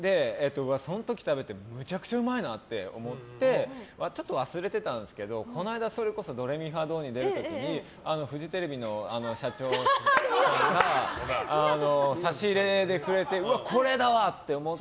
その時食べてめちゃくちゃうまいなって思ってちょっと忘れてたんですけどこの間、それこそ「ドレミファドン！」に出た時フジテレビの社長が差し入れでくれてこれだわ！って思って。